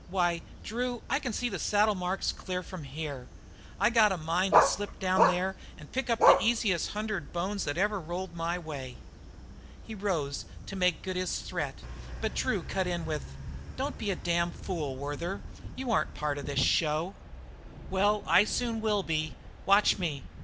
Why, Drew, I can see the saddle marks clear from here; I got a mind to slip down there and pick up the easiest hundred bones that ever rolled my way." He rose to make good his threat, but Drew cut in with: "Don't be a damn fool, Werther. You aren't part of this show." "Well, I will be soon. Watch me!